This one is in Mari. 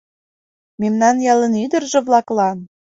Мемнан ялын ӱдыржӧ-влаклан